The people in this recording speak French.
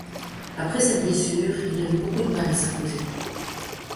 Après cette blessure, il a beaucoup de mal à s'imposer.